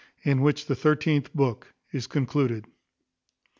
In which the thirteenth book is concluded.